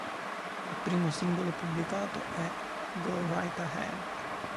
Il primo singolo pubblicato è "Go Right Ahead".